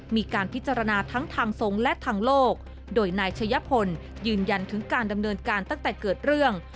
มีการพิจารณาทั้งทางทรงและทางโลกโดยนายชะยะพลยืนยันถึงการดำเนินการตั้งแต่เกิดเรื่อง